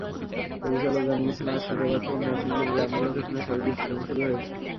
পরিচালক জানিয়েছেন, আজ শুক্রবার থেকে নরসিংদীর গ্রামীণ লোকেশনে ছবিটির শুটিং শুরু হয়েছে।